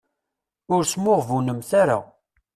Ur smuɣbunemt ara.